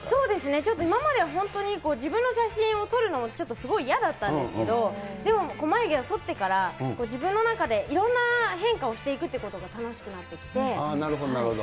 ちょっと今までは本当に自分の写真を撮るのもちょっと嫌だったんですけど、でも、眉毛をそってから、自分の中でいろんな変化をしていくっていうこなるほど、なるほど。